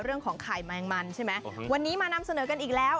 เรื่องของไข่แมงมันใช่ไหมวันนี้มานำเสนอกันอีกแล้ว